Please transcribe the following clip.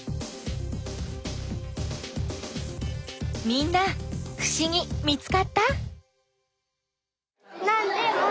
みんなふしぎ見つかった？